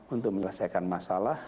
untuk menyelesaikan masalah